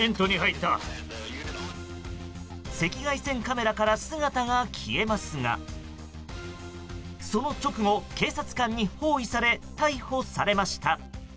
赤外線カメラから姿が消えますがその直後、警察官に包囲され逮捕されました。